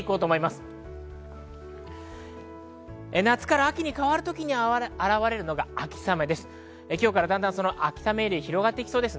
夏から秋に変わるときに現れるのが秋雨前線です。